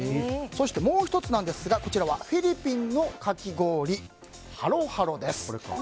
そして、もう１つフィリピンのかき氷ハロハロです。